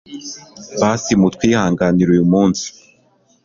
basi mutwihanganire uyu munsi